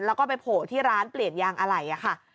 แล้วก็ไปโผล่ที่ร้านเปลี่ยนยางอะไหล่ค่ะ